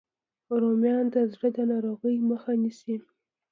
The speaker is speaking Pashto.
رومیان د زړه د ناروغیو مخه نیسي